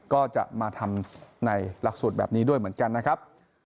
ก็จะมาทำในหลักสูตรแบบนี้ด้วยเหมือนกันนะครับ